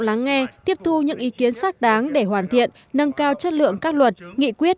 lắng nghe tiếp thu những ý kiến xác đáng để hoàn thiện nâng cao chất lượng các luật nghị quyết